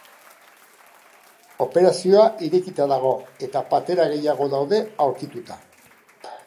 Operazioa irekita dago eta patera gehiago daude aurkituta.